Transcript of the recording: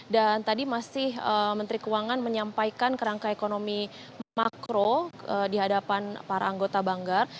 dan tadi masih menteri keuangan menyampaikan kerangka ekonomi makro di hadapan para anggota banggar